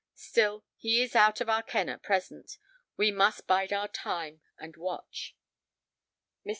Still, he is out of our ken at present. We must bide our time—and watch." Mr.